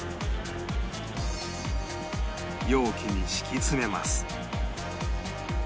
容器に敷き詰めます